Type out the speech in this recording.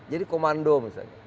jadi komando misalnya